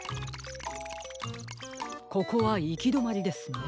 ここはいきどまりですね。